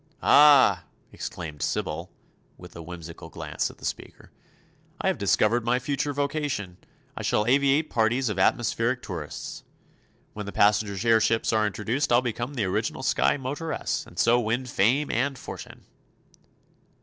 "Ah!" exclaimed Sybil, with a whimsical glance at the speaker, "I have discovered my future vocation. I shall aviate parties of atmospheric tourists. When the passenger airships are introduced I'll become the original sky motoress, and so win fame and fortune."